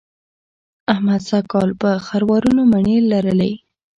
احمد سږ کال په خروارونو مڼې لرلې.